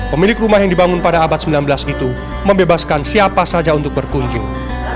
pemilik rumah yang dibangun pada abad sembilan belas itu membebaskan siapa saja untuk berkunjung